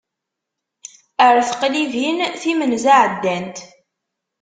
Ar teqlibin, timenza ɛeddant.